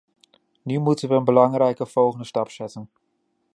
Nu moeten we een belangrijke volgende stap zetten.